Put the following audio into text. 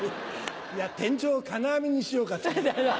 いや天井を金網にしようかと。